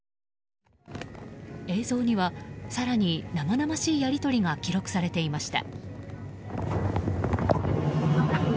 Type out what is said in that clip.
映像には、更に生々しいやり取りが記録されていました。